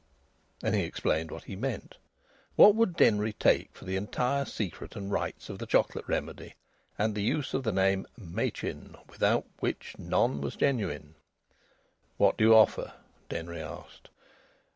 And he explained what he meant. What would Denry take for the entire secret and rights of the Chocolate Remedy and the use of the name "Machin" ("without which none was genuine"). "What do you offer?" Denry asked.